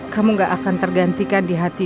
kamu gak akan tergantikan di hati